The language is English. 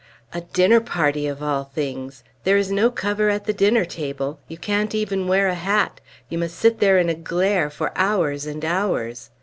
"A dinner party, of all things! There is no cover at the dinner table; you can't even wear a hat; you must sit there in a glare for hours and hours!"